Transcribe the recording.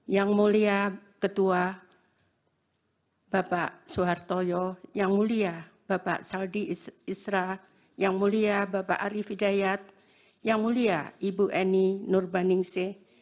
yang mulia ketua bapak suhartoyo yang mulia bapak saldi isra yang mulia bapak arief hidayat yang mulia ibu eni nurbaningsih